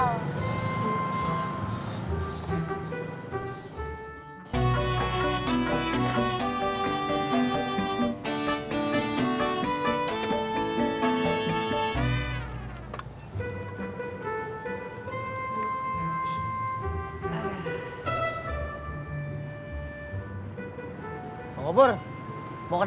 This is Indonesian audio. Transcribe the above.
ini parfum dari temen gue